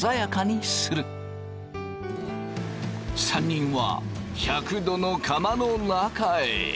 ３人は１００℃の釜の中へ。